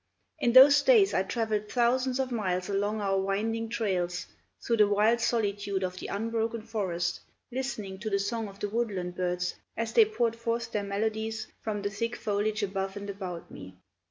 In those days I traveled thousands of miles along our winding trails, through the wild solitude of the unbroken forest, listening to the song of the woodland birds, as they poured forth their melodies from the thick foliage above and about me.